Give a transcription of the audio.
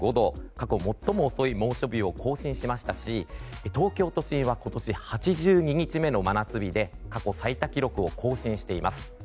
過去最も遅い猛暑日を更新しましたし東京都心は今年８２日目の真夏日で過去最多記録を更新しています。